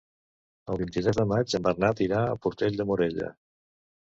El vint-i-tres de maig en Bernat irà a Portell de Morella.